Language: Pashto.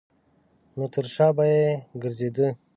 نو تر شا به یې ګرځېده.